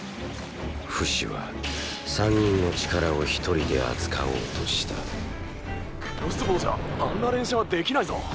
フシは３人の力を一人で扱おうとしたクロスボウじゃあんな連射はできないぞ！